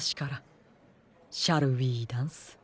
シャルウイダンス？